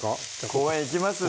公園行きますね